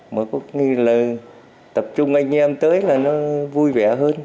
mà có nghĩa là tập trung anh em tới là nó vui vẻ hơn